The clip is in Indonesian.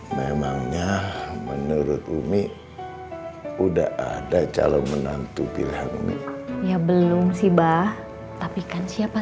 memangnya menurut umi udah ada calon menantu bilang ya belum sih bah tapi kan siapa